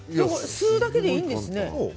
吸うだけでいいんですね。